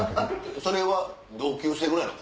それは同級生ぐらいの子？